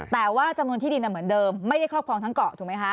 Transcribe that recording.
แต่ว่าจำนวนที่ดินเหมือนเดิมไม่ได้ครอบครองทั้งเกาะถูกไหมคะ